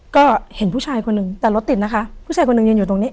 ก็เห็นผู้ชายคนหนึ่งแต่รถติดนะคะผู้ชายคนหนึ่งยืนอยู่ตรงนี้